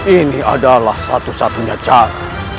ini adalah satu satunya cara